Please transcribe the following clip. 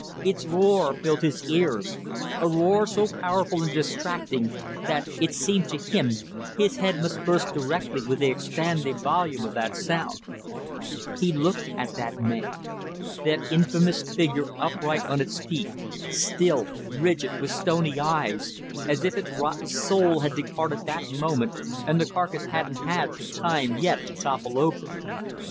Its roar filled his cars; a roar so powerful and distracting that, it seemed to him, his head must burst directly with the expanding volume of that sound. He looked at that man. That infamous figure upright on its feet, still, rigid, with stony eyes, as if its rotten soul had departed that moment and the carcass hadn't had the time yet to topple over.